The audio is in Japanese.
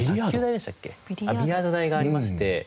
ビリヤード台がありまして。